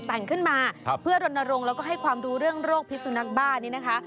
แต่งขึ้นมาเพื่อรณรงค์แล้วก็ให้ความรู้เรื่องโรคพิสุนักบ้านี้นะคะ